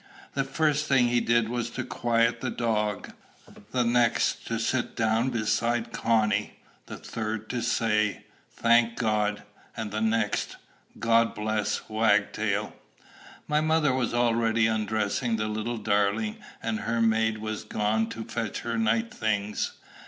The first thing he did was to quiet the dog; the next to sit down beside Connie; the third to say, "Thank God!" and the next, "God bless Wagtail!" My mother was already undressing the little darling, and her maid was gone to fetch her night things.